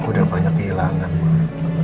aku udah banyak kehilangan mama